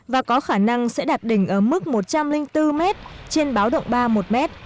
và có khả năng sẽ đạt đỉnh ở mức một trăm linh bốn m trên báo động ba một m